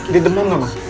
dia demam gak ma